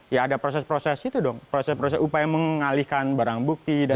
ya ada proses proses itu dong proses proses upaya mengalihkan barang bukti dan sebagainya